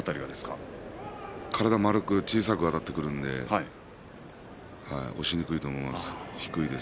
体を丸く縮めてあたってくるので押しにくいと思います。